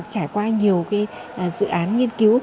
trải qua nhiều dự án nghiên cứu